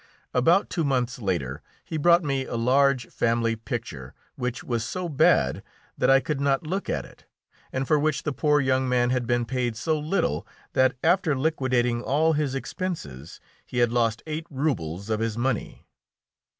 About two months later he brought me a large family picture, which was so bad that I could not look at it, and for which the poor young man had been paid so little that, after liquidating all his expenses, he had lost eight rubles of his money.